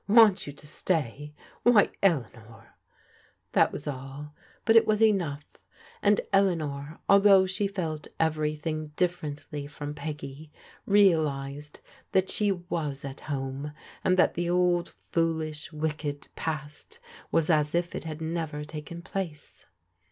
" Want you to stay ? Why, Eleanor !" That was all, but it was enough; and Eleanor, al though she felt everything diflFerently from Peggy, real ized that she was at home, and that the old foolish wicked past was as if it had never taken place.